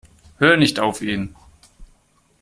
Hör nicht auf ihn.